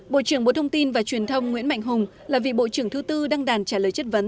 bộ trưởng bộ thông tin và truyền thông nguyễn mạnh hùng là vị bộ trưởng thứ tư đăng đàn trả lời chất vấn